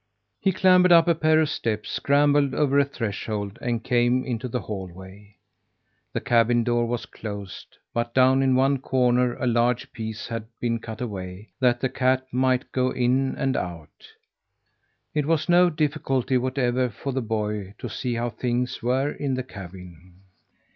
He clambered up a pair of steps, scrambled over a threshold, and came into the hallway. The cabin door was closed, but down in one corner a large piece had been cut away, that the cat might go in and out. It was no difficulty whatever for the boy to see how things were in the cabin.